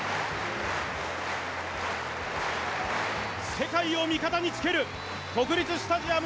世界を味方につける国立スタジアム